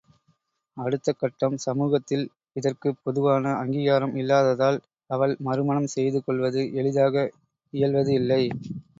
அடுத்த கட்டம் சமூகத்தில் இதற்குப் பொதுவான அங்கீகாரம் இல்லாததால் அவள் மறுமணம் செய்து கொள்வது எளிதாக இயல்வது இல்லை.